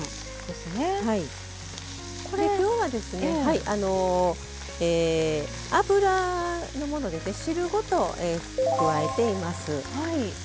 きょうは、油も汁ごと加えています。